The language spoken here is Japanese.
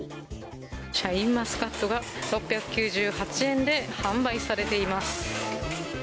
シャインマスカットが６９８円で販売されています。